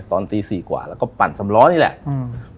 ตอนตีสี่กว่าแล้วก็ปั่นสำล้อนี่แหละอืม